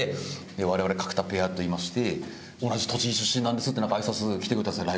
「我々角田ペアといいまして同じ栃木出身なんです」ってあいさつ来てくれたんですよ